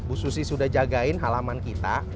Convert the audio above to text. bu susi sudah jagain halaman kita